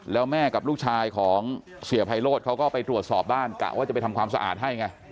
แล้วแม่กับลูกชายของเสียไพโรธเขาก็ไปตรวจสอบบ้านกะว่าจะไปทำความสะอาดให้ไง